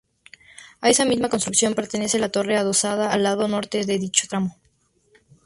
A esa misma construcción pertenece la torre adosada al lado norte de dicho tramo.